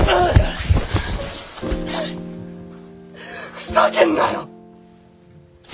ふざけんなよ！